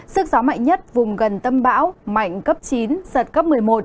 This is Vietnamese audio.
sức gió mạnh nhất vùng gần tâm bão mạnh cấp chín giật cấp một mươi một